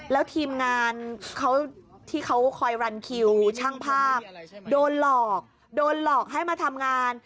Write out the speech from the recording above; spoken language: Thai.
แล้วทีมงานเขาที่เขาคอยรันคิวช่างภาพโดนหลอกโดนหลอกให้มาทำงาน